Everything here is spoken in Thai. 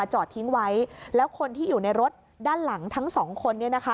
จอดทิ้งไว้แล้วคนที่อยู่ในรถด้านหลังทั้งสองคนเนี่ยนะคะ